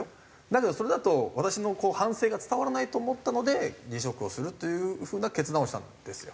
だけどそれだと私の反省が伝わらないと思ったので辞職をするという風な決断をしたんですよ。